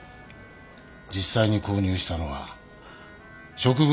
実際に購入したのは植物